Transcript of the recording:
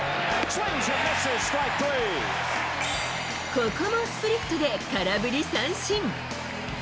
ここもスプリットで空振り三振。